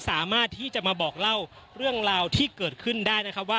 สามารถที่จะมาบอกเล่าเรื่องราวที่เกิดขึ้นได้